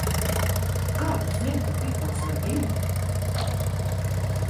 Kā Tu zini, ka tikos ar viņu?